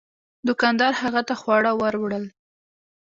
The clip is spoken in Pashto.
دوکاندار هغه ته خواړه ور وړل.